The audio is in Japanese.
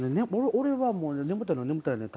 俺はもう眠たいのは眠たいねん。